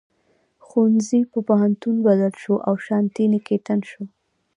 ښوونځي په پوهنتون بدل شو او شانتي نیکیتن شو.